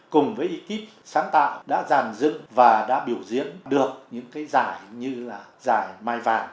cùng với ekip sáng tạo đã giàn dựng và đã biểu diễn được những cái giải như là giải mai vàng